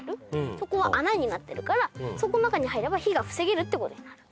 そこは穴になってるからそこの中に入れば火が防げるって事になる。